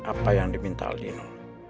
apa yang diminta aldino